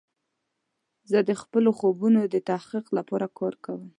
زه د خپلو خوبونو د تحقق لپاره کار کوم.